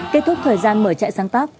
kết thúc thời gian mở trại sáng tác